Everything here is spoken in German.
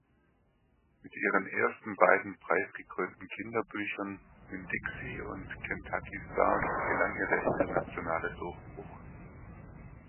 Mit ihren ersten beiden preisgekrönten Kinderbüchern „Winn-Dixie“ und „Kentucky-Star“ gelang ihr der internationale Durchbruch.